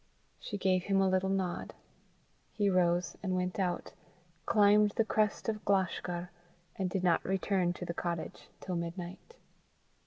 She gave him a little nod. He rose and went out, climbed the crest of Glashgar, and did not return to the cottage till midnight.